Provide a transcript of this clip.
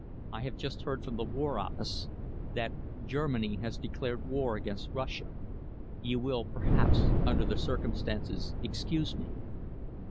"I have just heard from the War Office that Germany has declared war against Russia. You will perhaps, under the circumstances, excuse me."